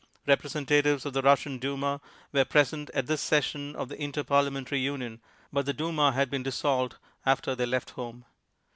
Representatives of the Russian Duma were present at this session of the Inter parliamentary Union, but the Duma had been dissolved after they left home.